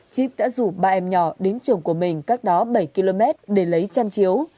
chip đã rủ ba em nhỏ đến trường của mình cách đó bảy km để lấy chăn chiếu